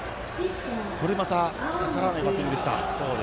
これまた逆らわないバッティングでした。